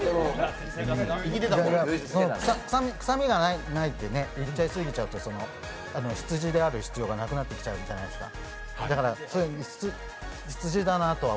臭みがないってね、出過ぎないと羊である必要がなくなっちゃうじゃないですか。